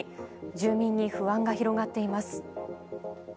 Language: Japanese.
住民に不安が広がっています。